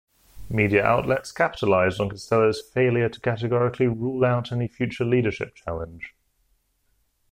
Media outlets capitalised on Costello's failure to categorically rule out any future leadership challenge.